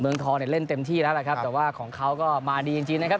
เมืองทองเล่นเต็มที่แล้วครับแต่ว่าของเขาก็มาดีจริงนะครับ